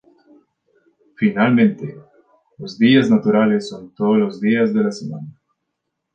Finalmente, los días naturales son todos los días de la semana.